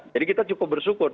jadi kita cukup bersyukur